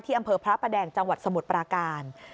อำเภอพระประแดงจังหวัดสมุทรปราการ